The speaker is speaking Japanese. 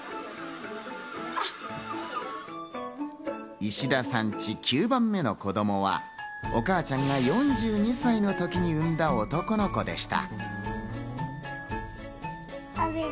石田さんチ、９番目の子供はお母ちゃんが４２歳の時に産んだ男の子でした。